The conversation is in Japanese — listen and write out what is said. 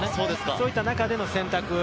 そういった中での選択。